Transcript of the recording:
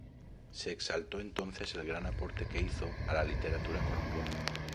Se exaltó entonces el gran aporte que hizo a la literatura Colombiana.